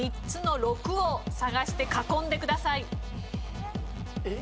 ３つの「ろく」を探して囲んでください。